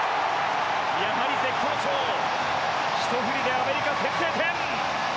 やはり絶好調ひと振りでアメリカ先制点。